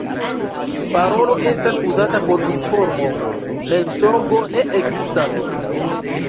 Parolo estas uzata por informo, mensogo ne ekzistas.